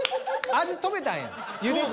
味止めたんや茹でて。